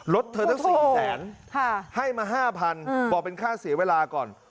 รถเธอตั้งสี่แสนค่ะให้มาห้าพันอืมบอกเป็นค่าเสียเวลาก่อน